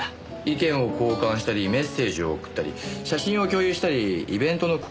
意見を交換したりメッセージを送ったり写真を共有したりイベントの告知をしたり。